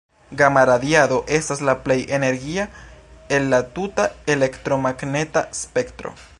Gama-radiado estas la plej energia el la tuta elektromagneta spektro.